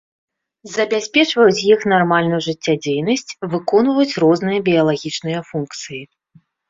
Забяспечваюць іх нармальную жыццядзейнасць, выконваюць розныя біялагічныя функцыі.